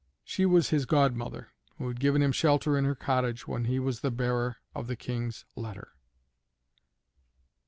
She was his godmother, who had given him shelter in her cottage when he was the bearer of the King's letter.